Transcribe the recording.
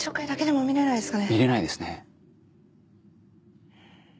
見れないですね。